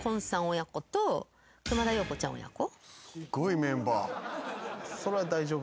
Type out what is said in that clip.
親子と熊田曜子ちゃん親子。